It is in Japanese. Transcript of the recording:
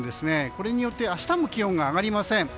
これによって明日も気温が上がりません。